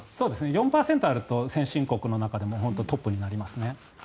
４％あると先進国の中でもトップになりますね。